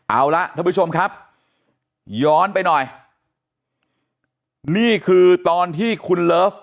เอาละท่านผู้ชมครับย้อนไปหน่อยนี่คือตอนที่คุณเลิฟ